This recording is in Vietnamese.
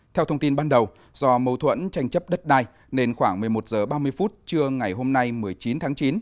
theo thông tin ban đầu do mâu thuẫn tranh chấp đất đai nên khoảng một mươi một h ba mươi phút trưa ngày hôm nay một mươi chín tháng chín